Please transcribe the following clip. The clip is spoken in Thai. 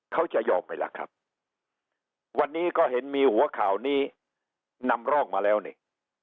เขาจะยอมไปล่ะครับวันนี้ก็เห็นมีหัวข่าวนี้นำร่องมาแล้วนี่